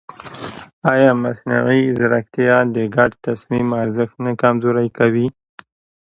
ایا مصنوعي ځیرکتیا د ګډ تصمیم ارزښت نه کمزوری کوي؟